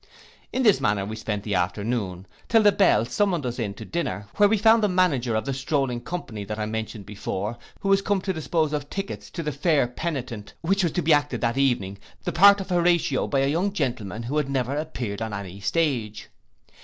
In this manner we spent the forenoon, till the bell summoned us in to dinner, where we found the manager of the strolling company that I mentioned before, who was come to dispose of tickets for the Fair Penitent, which was to be acted that evening, the part of Horatio by a young gentleman who had never appeared on any stage.